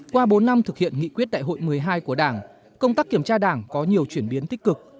qua bốn năm thực hiện nghị quyết đại hội một mươi hai của đảng công tác kiểm tra đảng có nhiều chuyển biến tích cực